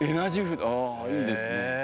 ああいいですね。